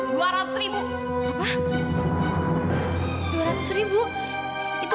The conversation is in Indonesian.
dua rangkris ribu rimu itu